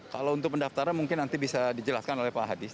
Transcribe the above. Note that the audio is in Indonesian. kalau untuk pendaftaran mungkin nanti bisa dijelaskan oleh pak hadis